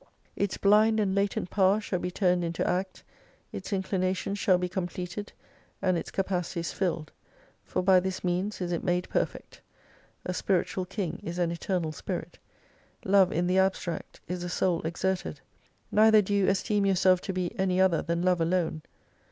Its blind and latent power shall be turned into Act, its inclinations shall be completed, and its capa cities filled, for by this means is it made perfect. A Spiritual King is an eternal Spirit. Love in the abstract is a soul exerted. Neither do you esteem yourself to be any other than Love alone.